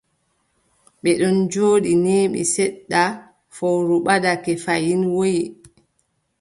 Ɓe ɗon njooɗi, neeɓi seɗɗa, fowru ɓadake fayin, woyi.